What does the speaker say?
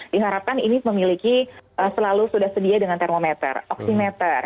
diharapkan ini memiliki selalu sudah sedia dengan termometer oximeter